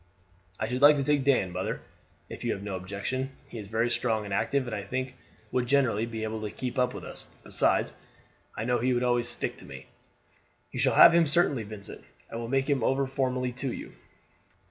"I should like to take Dan, mother, if you have no objection. He is very strong and active, and I think would generally be able to keep up with us; besides, I know he would always stick to me." "You shall have him certainly, Vincent; I will make him over formally to you."